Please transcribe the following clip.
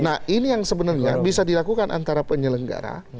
nah ini yang sebenarnya bisa dilakukan antara penyelenggara